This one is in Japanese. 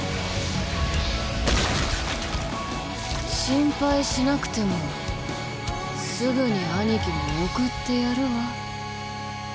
心配しなくてもすぐに兄貴も送ってやるわ。